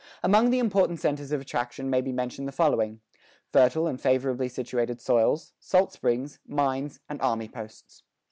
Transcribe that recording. Among the important centers of attraction may be mentioned the following: fertile and favorably situated soils, salt springs, mines, and army posts.